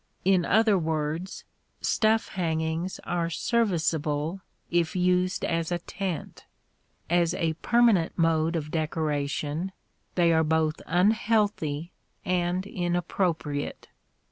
In other words, stuff hangings are serviceable if used as a tent; as a permanent mode of decoration they are both unhealthy and inappropriate.